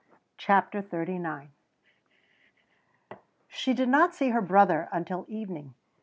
CHAPTER XXXIX She did not see her brother until evening.